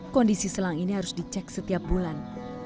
kondisi selang ini harus dicek setiap bulan